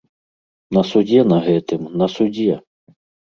На судзе на гэтым, на судзе!